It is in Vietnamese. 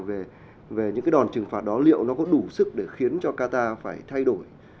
về những cái đòn trừng phạt đó liệu nó có đủ sức để khiến cho qatar phải thay đổi